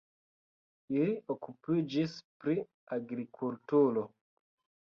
Ili okupiĝis pri agrikulturo.